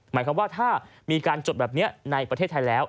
หมายความว่าถ้ามีการจดแบบนี้ในประเทศไทยแล้ว